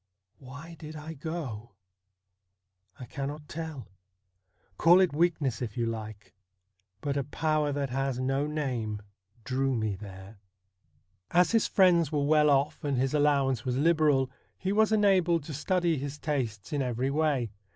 Why did I go ? I cannot tell. Call it weakness if you like ; but a power that has no name drew me there. 30 STORIES WEIRD AND WONDERFUL As his friends were well off, and his allowance was liberal, he was enabled to study his tastes in every way.